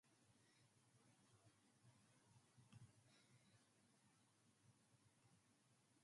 Podkletnov withdrew his second paper after it had been initially accepted.